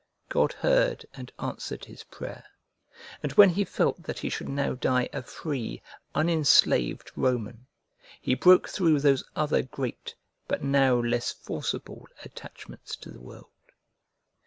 God heard and answered his prayer; and when he felt that he should now die a free, un enslaved, Roman, he broke through those other great, but now less forcible, attachments to the world.